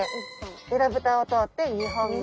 えらぶたを通って２本目。